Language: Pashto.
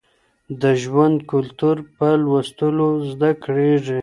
د ژوند کلتور په لوستلو زده کېږي.